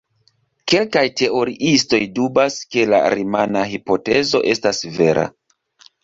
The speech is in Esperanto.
Kelkaj teoriistoj dubas ke la rimana hipotezo estas vera.